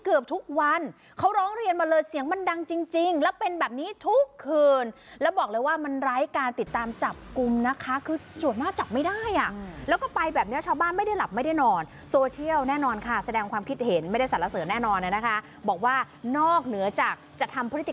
และแฮชแท็กใกล้ปิดสนามแข่งเร็วนี้